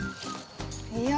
いや。